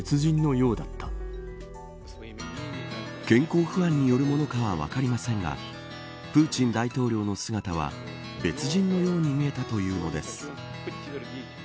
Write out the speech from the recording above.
健康不安によるものかは分かりませんがプーチン大統領の姿は別人のように見えたというのです。